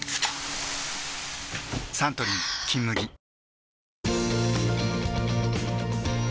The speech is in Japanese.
サントリー「金麦」・あっ！！